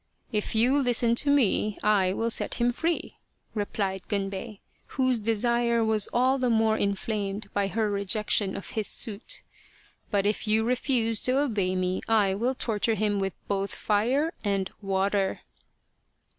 " If you listen to me I will set him free," replied Gunbei, whose desire was all the more inflamed by her rejection of his suit. " But if you refuse to obey me, I will torture him with both fire and water."